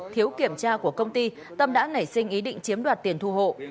thiếu kiểm tra của công ty tâm đã nảy sinh ý định chiếm đoạt tiền thu hộ